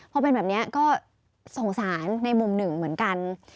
พอเป็นแบบนี้ก็สงสารในมุมหนึ่งเหมือนกัน